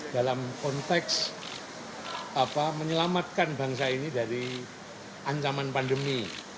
dalam konteks menyelamatkan bangsa ini dari ancaman pandemi